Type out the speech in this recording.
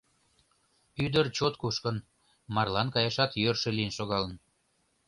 Ӱдыр чот кушкын, марлан каяшат йӧршӧ лийын шогалын.